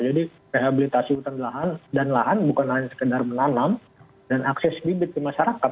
jadi rehabilitasi hutan dan lahan bukan hanya sekedar menanam dan akses bibit ke masyarakat